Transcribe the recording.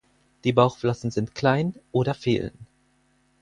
Die Bauchflossen sind klein oder fehlen.